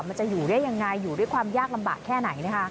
มันจะอยู่ได้ยังไงอยู่ด้วยความยากลำบากแค่ไหนนะคะ